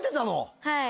はい。